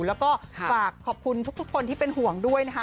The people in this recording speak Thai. แล้วก็ฝากขอบคุณทุกคนที่เป็นห่วงด้วยนะคะ